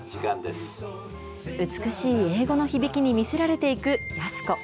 美しい英語の響きに魅せられていく安子。